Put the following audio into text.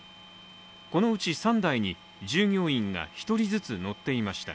このうち３台に従業員が１人ずつ乗っていました。